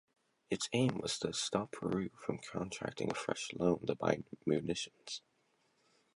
Its aim was to "stop Peru from contracting a fresh loan to buy munitions".